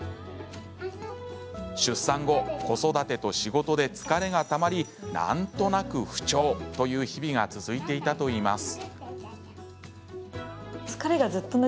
出産後、子育てと仕事で疲れがたまりなんとなく不調という日々が続いていたといいます。